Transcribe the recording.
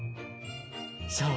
そう。